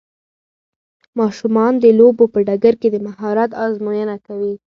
ماشومان د لوبو په ډګر کې د مهارت ازموینه کوي.